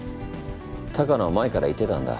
鷹野は前から言ってたんだ